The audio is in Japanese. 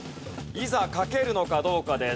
いざ書けるのかどうかです。